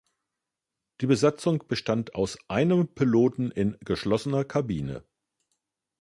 Die Besatzung bestand aus einem Piloten in geschlossener Kabine.